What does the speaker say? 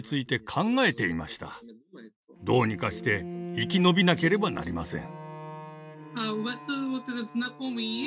どうにかして生き延びなければなりません。